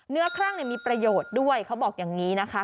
เนื้อคลั่งเนี้ยมีประโยชน์ด้วยเขาบอกอย่างงี้นะคะ